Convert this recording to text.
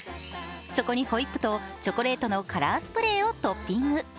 そこにホイップとチョコレートのカラースプレーをトッピング。